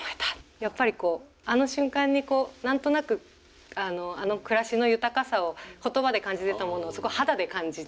やっぱりこうあの瞬間に何となくあの暮らしの豊かさを言葉で感じてたものをすごい肌で感じた瞬間でした。